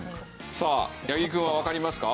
さあ八木くんはわかりますか？